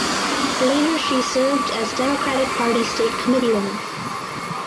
Later she served as Democratic Party State Committee Woman.